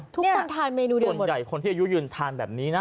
ทุกคนทานเมนูนี้ส่วนใหญ่คนที่อายุยืนทานแบบนี้นะ